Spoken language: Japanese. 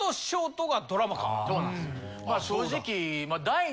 正直。